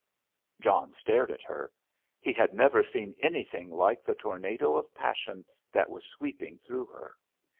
John stared at her. He had never seen anything like the tornado of passion that was sweeping through her.